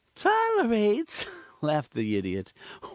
"Tolerates?" laughed the Idiot.